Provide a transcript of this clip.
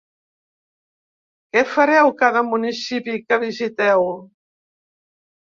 Què fareu cada municipi que visiteu?